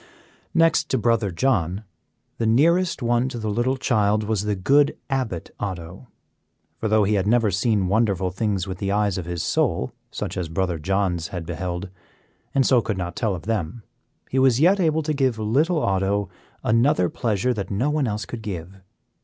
Next to Brother John, the nearest one to the little child was the good Abbot Otto, for though he had never seen wonderful things with the eyes of his soul, such as Brother John's had beheld, and so could not tell of them, he was yet able to give little Otto another pleasure that no one else could give.